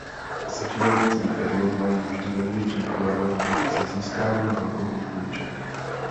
Začínající firmy mají vždy největší problémy se získáním bankovních půjček.